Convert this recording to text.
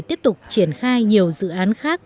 và tiếp tục triển khai nhiều dự án khác